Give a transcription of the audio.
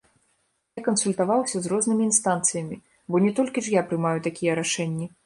Я кансультаваўся з рознымі інстанцыямі, бо не толькі ж я прымаю такія рашэнні.